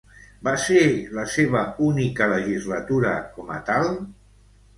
Va ser la seva única legislatura com a tal?